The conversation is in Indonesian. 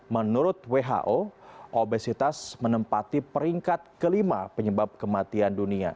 menurut who obesitas menempati peringkat kelima penyebab kematian dunia